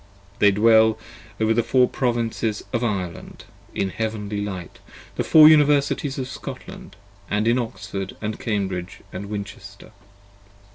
They Dwell over the Four Provinces of Ireland in heavenly light, The Four Universities of Scotland, & in Oxford & Cambridge & Winchester.